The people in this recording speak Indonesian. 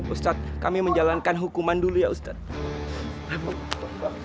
ustadz kami menjalankan hukuman dulu ya ustadz